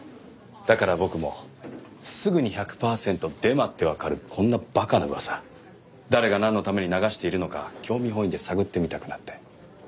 だから僕もすぐに１００パーセントデマってわかるこんな馬鹿な噂誰がなんのために流しているのか興味本位で探ってみたくなって。